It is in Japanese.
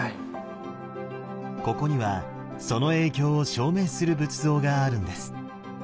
ここにはその影響を証明する仏像があるんです。